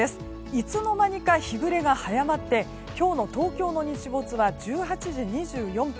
いつの間にか、日暮れが早まって今日の東京の日没は１８時２４分。